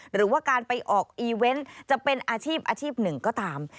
หรือว่าการไปออกอีเวนต์จะเป็นอาชีพอาชีพหนึ่งก็ตาม